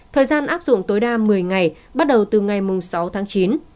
thời gian áp dụng tối đa một mươi ngày bắt đầu từ ngày sáu tháng chín